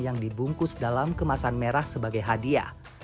yang dibungkus dalam kemasan merah sebagai hadiah